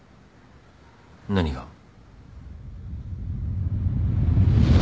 何が？